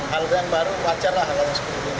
hal itu yang baru wajar lah